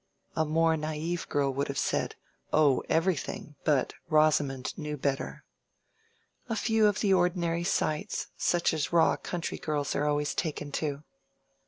(A more naive girl would have said, "Oh, everything!" But Rosamond knew better.) "A few of the ordinary sights, such as raw country girls are always taken to."